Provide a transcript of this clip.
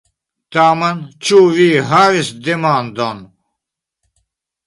Tamen, ĉu vi havis demandon?